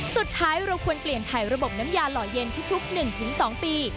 สุดท้ายเราควรเปลี่ยนถ่ายระบบน้ำยาหล่อเย็นทุก๑๒ปี